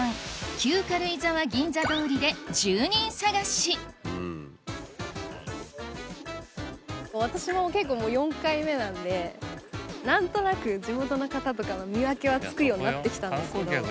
旧軽井沢銀座通りで住人探し私も結構もう４回目なんで何となく地元の方とかの見分けはつくようになってきたんですけど。